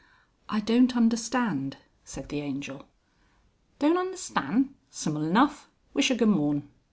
"I don't understand," said the Angel. "Donunderstan'. Sim'l enough. Wishergoomorn'.